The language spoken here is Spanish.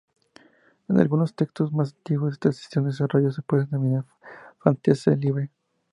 En algunos textos más antiguos, esta sección de desarrollo se puede denominar "fantasía libre".